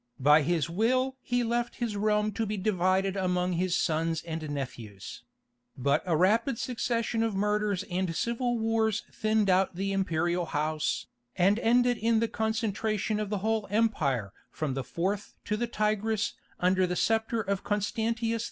By his will he left his realm to be divided among his sons and nephews; but a rapid succession of murders and civil wars thinned out the imperial house, and ended in the concentration of the whole empire from the Forth to the Tigris under the sceptre of Constantius II.